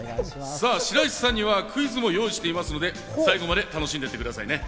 白石さんにはクイズも用意していますので最後まで楽しんでいってくださいね。